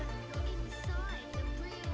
di luar sekolah